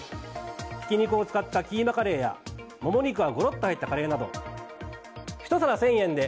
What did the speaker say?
ひき肉を使ったキーマカレーやもも肉がごろっと入ったカレーなど１皿１０００円で